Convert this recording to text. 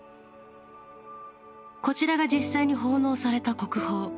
こちらが実際に奉納された国宝。